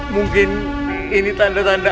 mungkin ini tanda tanda